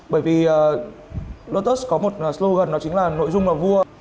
bởi vì lotus có một slogan đó chính là nội dung là vua